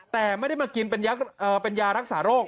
แต่ไม่ได้มากินเป็นยารักษาโรค